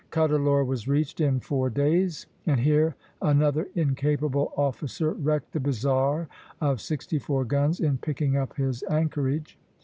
Cuddalore was reached in four days; and here another incapable officer wrecked the "Bizarre," of sixty four guns, in picking up his anchorage.